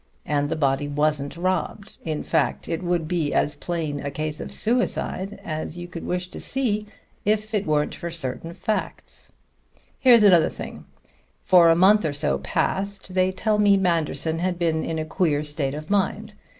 And the body wasn't robbed. In fact, it would be as plain a case of suicide as you could wish to see, if it wasn't for certain facts. Here's another thing: for a month or so past, they tell me, Manderson had been in a queer state of mind.